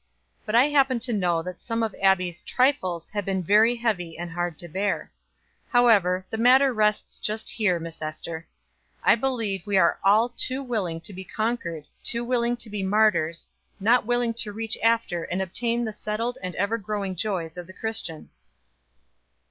But I happen to know that some of Abbie's 'trifles' have been very heavy and hard to bear. However, the matter rests just here, Miss Ester. I believe we are all too willing to be conquered, too willing to be martyrs, not willing to reach after and obtain the settled and ever growing joys of the Christian."